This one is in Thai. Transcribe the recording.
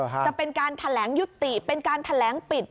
จะเป็นการแถลงยุติเป็นการแถลงปิด